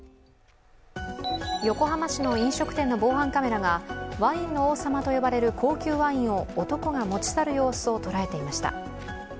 横浜市の飲食店の防犯カメラがワインの王様と呼ばれる高級ワインを男が持ち去る様子を捉えていました。